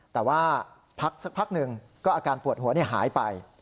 แต่ว่าพักสักพักหนึ่งก็อาการปวดหัวหายไป